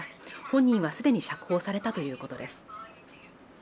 本人は既に釈放されたということです。